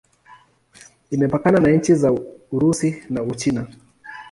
Imepakana na nchi za Urusi na Uchina.